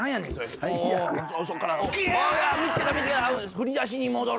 振り出しに戻る。